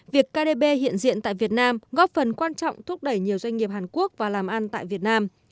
việc cadb hiện diện tại việt nam góp phần quan trọng thúc đẩy nhiều doanh nghiệp hàn quốc và làm ăn tại việt nam